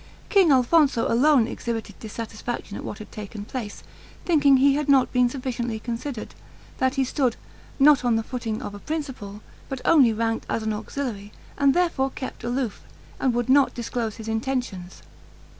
King Alfonso alone exhibited dissatisfaction at what had taken place, thinking he had not been sufficiently considered, that he stood, not on the footing of a principal, but only ranked as an auxiliary, and therefore kept aloof, and would not disclose his intentions.